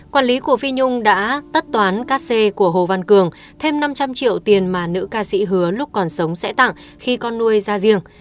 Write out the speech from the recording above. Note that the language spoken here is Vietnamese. quản lý của phi nhung đã tất toán ca xê của hồ văn cường thêm năm trăm linh triệu tiền mà nữ ca sĩ hứa lúc còn sống sẽ tặng khi con nuôi ra riêng